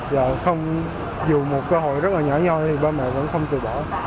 và không dù một cơ hội rất là nhỏ nhòi thì ba mẹ vẫn không từ bỏ